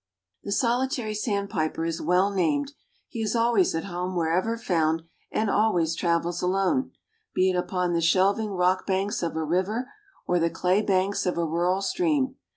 The Solitary Sandpiper is well named. He is always at home wherever found, and always travels alone, be it upon the shelving rock banks of a river or the clay banks of a rural stream.